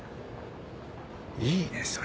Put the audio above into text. いいねそれ。